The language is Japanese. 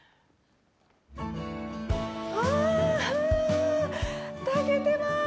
わあ、炊けてます。